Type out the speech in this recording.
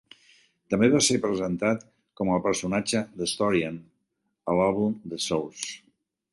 També va ser presentat com al personatge "The Historian" a l'àlbum "The Source".